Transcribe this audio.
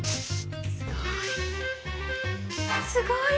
すごい。